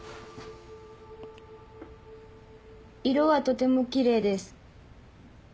色はとてもキレイです。